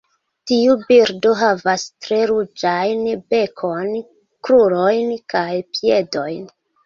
Tiu birdo havas tre ruĝajn bekon, krurojn kaj piedojn.